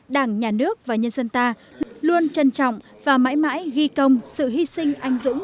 đảng nhà nước và nhân dân ta luôn trân trọng và mãi mãi ghi công sự hy sinh anh dũng